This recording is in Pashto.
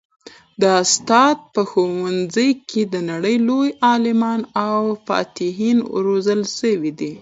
د استاد په ښوونځي کي د نړۍ لوی عالمان او فاتحین روزل سوي دي.